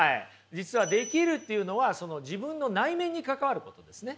実はできるっていうのはその自分の内面に関わることですね。